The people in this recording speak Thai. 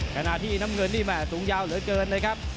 ขณะที่น้ำเงินนี่แม่สูงยาวเหลือเกินนะครับ